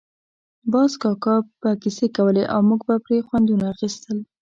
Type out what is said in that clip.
باز کاکا به کیسې کولې او موږ به پرې خوندونه اخیستل.